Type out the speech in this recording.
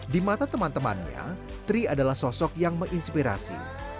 di mata teman temannya tri adalah sosok yang menginspirasi